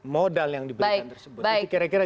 modal yang diberikan tersebut itu kira kira